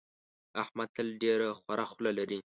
احمد تل ډېره خوره خوله لري.